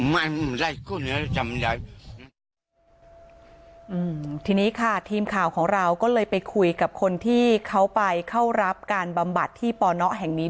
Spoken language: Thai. มันเลยคุ้นให้ทำอย่างที่นี่ค่ะทีมข่าวของเราก็เลยไปคุยกับคนที่เขาไปเข้ารับการบำบัดที่ป่อนะแห่งนี้